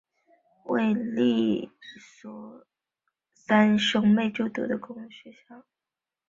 为索利斯提亚公爵家三兄妹就读的学校由德鲁萨西斯公爵经营的商会。